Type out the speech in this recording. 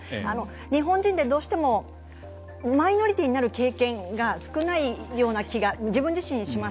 日本人って、どうしてもマイノリティーになる経験が少ないような気が自分自身します。